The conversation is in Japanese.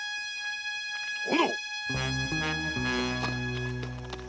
殿！